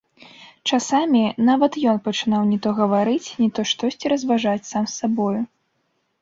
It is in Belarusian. Часамі нават ён пачынаў ні то гаварыць, ні то штосьці разважаць сам з сабою.